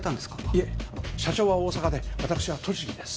いえ社長は大阪で私は栃木です